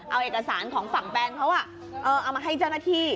เอาเอกสารของฝั่งแฟนเขาเอามาให้เจ้าหน้าที่